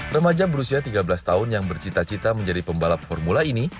remaja berusia tiga belas tahun yang bercita cita menjadi pembalap formula ini